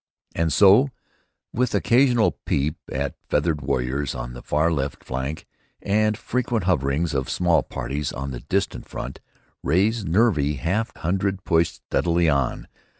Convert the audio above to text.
And so, with occasional peep at feathered warriors on the far left flank, and frequent hoverings of small parties on the distant front, Ray's nervy half hundred pushed steadily on.